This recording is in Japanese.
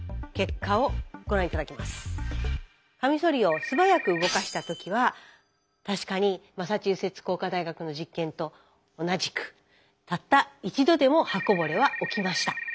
カミソリを素早く動かした時は確かにマサチューセッツ工科大学の実験と同じくたった一度でも刃こぼれは起きました。